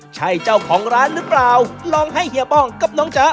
ใช่เจ้าของร้านหรือเปล่าลองให้เฮียป้องกับน้องจ๊ะ